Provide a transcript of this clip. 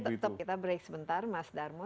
kita tetap break sebentar mas darmo